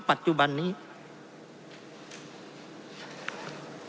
เพราะเรามี๕ชั่วโมงครับท่านนึง